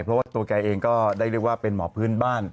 เพราะว่าตัวแกเองก็ได้เรียกว่าเป็นหมอพื้นบ้าน